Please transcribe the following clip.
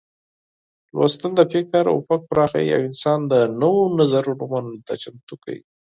لوستل د فکر افق پراخوي او انسان د نوو نظرونو منلو ته چمتو کوي.